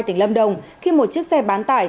tỉnh lâm đồng khi một chiếc xe bán tải